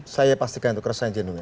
saya pastikan itu keresahannya jenuin